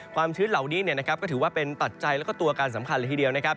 ความชื้นเหล่านี้เนี่ยนะครับก็ถือว่าเป็นปัจจัยแล้วก็ตัวการสำคัญทีเดียวนะครับ